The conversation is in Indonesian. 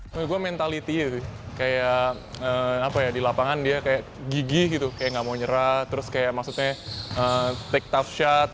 menurut gue mentality gitu kayak di lapangan dia kayak gigih gitu kayak gak mau nyerah terus kayak maksudnya take tough shot